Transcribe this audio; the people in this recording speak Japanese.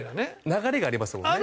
流れがありますもんね。